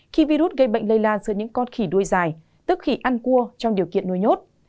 khi virus gây bệnh lây lan giữa những con khỉ đuôi dài tức khỉ ăn cua trong điều kiện nuôi nhốt